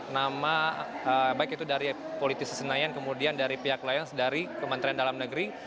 nama baik itu dari politisi senayan kemudian dari pihak lions dari kementerian dalam negeri